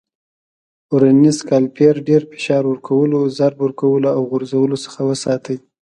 ورنیز کالیپر له ډېر فشار ورکولو، ضرب ورکولو او غورځولو څخه وساتئ.